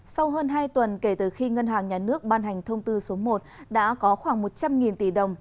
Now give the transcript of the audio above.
sau hơn hai tuần kể từ khi ngân hàng nhà nước ban hành thông tư số một đã có khoảng một trăm linh tỷ đồng